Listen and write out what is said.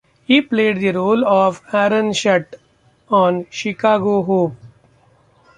He played the role of Aaron Shutt on "Chicago Hope".